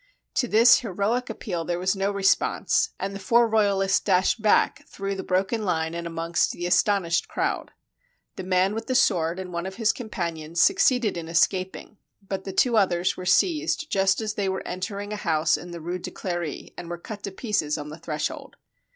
To this heroic appeal there was no response, and the four royalists dashed back through the broken line and amongst the astonished crowd. The man with the sword and one of his companions succeeded in escap ing, but the two others were seized just as they were entering a house in the Rue de Clery, and were cut to pieces on the threshold.